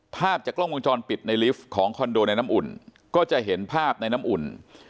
ภาพจากกล้องวงจรปิดในลิฟต์ของคอนโดในน้ำอุ่นก็จะเห็นภาพในน้ำอุ่น